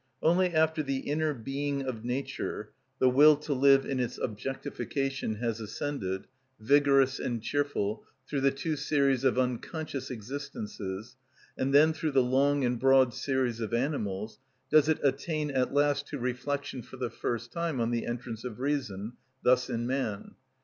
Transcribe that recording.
Only after the inner being of nature (the will to live in its objectification) has ascended, vigorous and cheerful, through the two series of unconscious existences, and then through the long and broad series of animals, does it attain at last to reflection for the first time on the entrance of reason, thus in man.